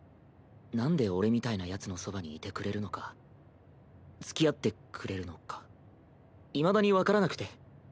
なんで俺みたいなヤツのそばにいてくれるのかつきあってくれるのかいまだに分からなくて。